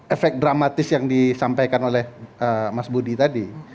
efek dramatis yang disampaikan oleh mas budi tadi